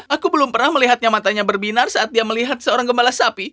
aku belum pernah melihatnya matanya berbinar saat dia melihat seorang gembala sapi